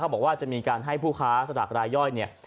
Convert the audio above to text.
บอกว่าจะมีการให้ผู้ค้าสลากรายย่อยเนี่ย